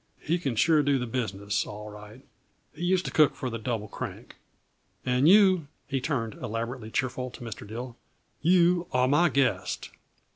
He can sure do the business, all right; he used to cook for the Double Crank. And you," he turned, elaborately cheerful, to Mr. Dill, "you are my guest."